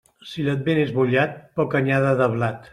Si l'advent és mullat, poca anyada de blat.